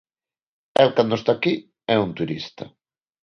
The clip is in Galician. El cando está aquí é un turista.